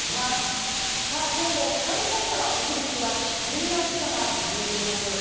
今日も北日本から北陸は危険な暑さが続いています。